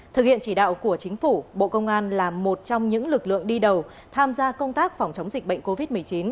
thực hiện chỉ đạo của chính phủ bộ công an là một trong những lực lượng đi đầu tham gia công tác phòng chống dịch bệnh covid một mươi chín